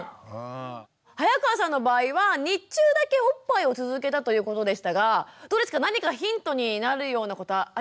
早川さんの場合は日中だけおっぱいを続けたということでしたがどうですか何かヒントになるようなことはありました？